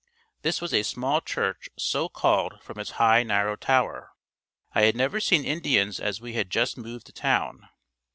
This was a small church so called from its high, narrow tower. I had never seen Indians as we had just moved to town.